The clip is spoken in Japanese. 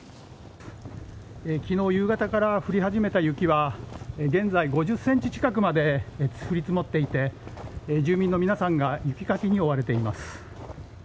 昨日夕方から降り始めた雪は現在、５０ｃｍ近くまで降り積もっていて住民の皆さんが雪かきに追われています。